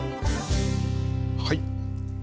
はい。